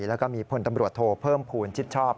แล้วก็มีพลตำรวจโทเพิ่มภูมิชิดชอบ